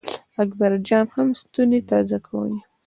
اکبر جان هم ستونی تازه کاوه.